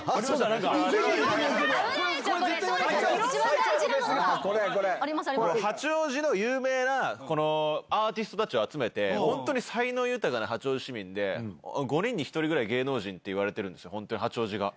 これ、絶対言わなきゃいけな八王子の有名な、このアーティストたちを集めて、本当に才能豊かな八王子市民で、５人に１人ぐらい芸能人っていわれてるんですよ、本当に八王子が。